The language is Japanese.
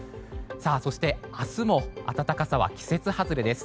そして、明日も暖かさは季節外れです。